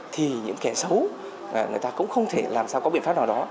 thì những kẻ xấu người ta cũng không thể làm sao có biện pháp nào đó